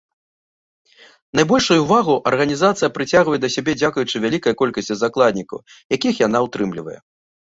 Найбольшую ўвагу арганізацыя прыцягвае да сябе дзякуючы вялікай колькасці закладнікаў, якіх яна ўтрымлівае.